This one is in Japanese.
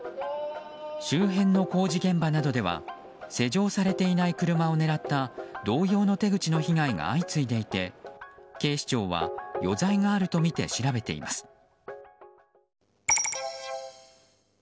周辺の工事現場などでは施錠されていない車を狙った同様の手口の被害が相次いでいて警視庁は余罪があるとみて調べています。